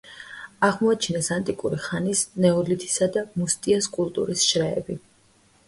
აღმოაჩინეს ანტიკური ხანის, ნეოლითისა და მუსტიეს კულტურის შრეები.